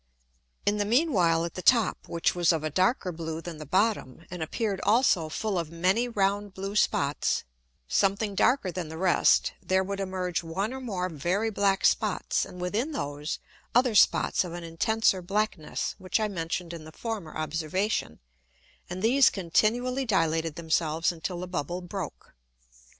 In the mean while at the top, which was of a darker blue than the bottom, and appear'd also full of many round blue Spots, something darker than the rest, there would emerge one or more very black Spots, and within those, other Spots of an intenser blackness, which I mention'd in the former Observation; and these continually dilated themselves until the Bubble broke.